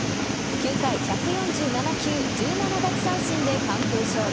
９回１４７球１７奪三振で完封勝利。